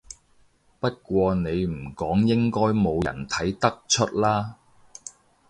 不過你唔講應該冇人睇得出啦